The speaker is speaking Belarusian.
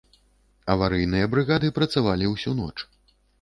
Аварыйныя брыгады працавалі ўсю ноч.